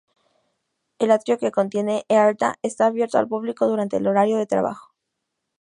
El atrio que contiene Eartha está abierto al público durante el horario de trabajo.